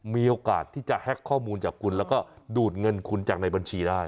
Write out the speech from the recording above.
มีโอกาสที่จะแฮ็กข้อมูลจากคุณแล้วก็ดูดเงินคุณจากในบัญชีได้